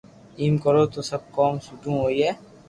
ايم ڪرو تو سب ڪوم سود ھوئي